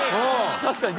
確かに。